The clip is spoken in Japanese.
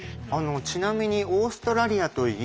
ちなみにオーストラリアとイギリス